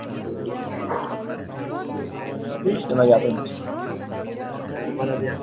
Sud-huquq masalalari bo‘yicha ommaviy qabullar Toshkent shahri va Namangan viloyatida davom ettiriladi